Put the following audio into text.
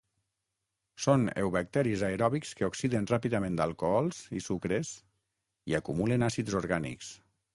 Són eubacteris aeròbics que oxiden ràpidament alcohols i sucres i acumulen àcids orgànics.